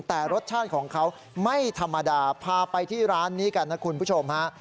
แต่รสชาติของเขาไม่ธรรมดาพาไปที่ร้านนี้กันนะคุณผู้ชมฮะ